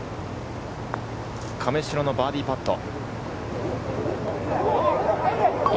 亀代のバーディーパット。